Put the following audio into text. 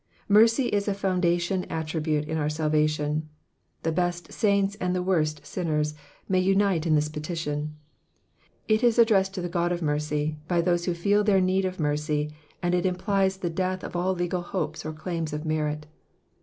Mercy is a foundation attribute in our salvation. The best saints and the worst sinners may unite in this petition. It is addressed to the God of mercy, by those who feel their need of mercy, and it implies the death of all legal hopes or claims of merit.